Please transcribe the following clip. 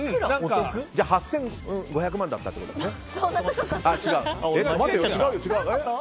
８５００万だったってことですね。